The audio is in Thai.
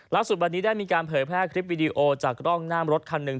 ล่าสุดวันนี้ได้มีการเผยแพร่คลิปวิดีโอจากกล้องหน้ามรถคันหนึ่ง